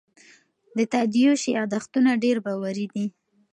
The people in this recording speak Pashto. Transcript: د تادیوش یادښتونه ډېر باوري دي.